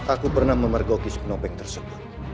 aku pernah memergokis penopeng tersebut